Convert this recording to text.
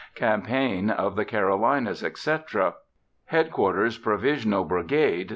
"Campaign of the Carolinas, etc."_) Headquarters Provisional Brigade.